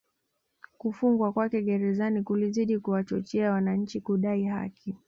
Kufungwa kwake Gerezani kulizidi kuwachochea wananchi kudai haki